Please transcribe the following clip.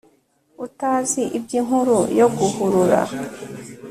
utazi ibyinkuru yo guhurura